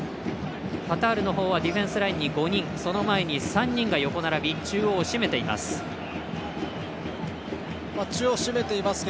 カタールのほうはディフェンスラインに５人その前に、３人が横並び中央を締めています。